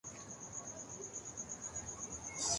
خرم مراد ان دنوں جماعت اسلامی ڈھاکہ کے امیر تھے۔